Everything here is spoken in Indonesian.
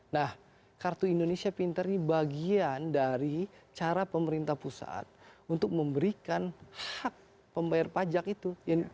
nah kartu indonesia pintar ini bagian dari cara pemerintah pusat untuk memberikan hak pembayar pajak itu